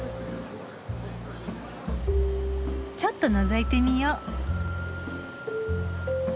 ちょっとのぞいてみよう。